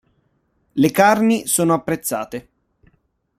Le carni sono apprezzate.